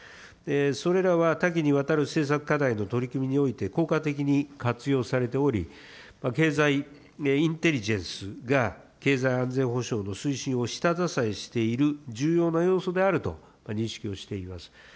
それらは多岐にわたる政策課題の取り組みにおいて、効果的に活用されており、経済インテリジェンスが経済安全保障の推進を下支えしている重要な要素であると認識をしています。